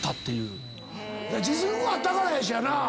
実力があったからやしやな。